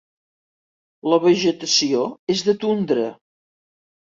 La vegetació és de tundra.